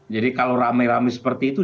jadi kalau rame rame seperti itu